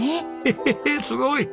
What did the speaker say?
ヘッヘッヘすごい！